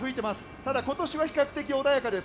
ただ、今年は比較的穏やかです。